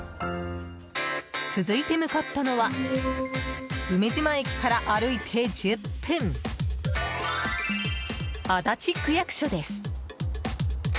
続いて向かったのは梅島駅から歩いて１０分足立区役所です。